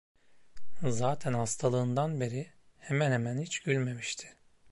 Zaten hastalığından beri hemen hemen hiç gülmemişti.